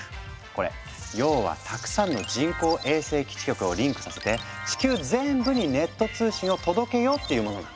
これ要はたくさんの人工衛星基地局をリンクさせて地球全部にネット通信を届けようっていうものなの。